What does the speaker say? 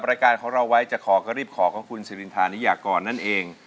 เพราะเราเอาไว้จะขอก็รีบขอกับคุณศิรินทรานิยากรนั่นเอง